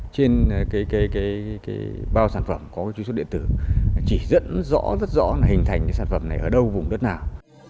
trên bao sản phẩm có truy xuất điện tử chỉ dẫn rõ rất rõ là hình thành cái sản phẩm này ở đâu vùng đất nào